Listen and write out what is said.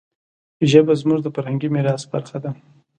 ژبه زموږ د فرهنګي میراث برخه ده.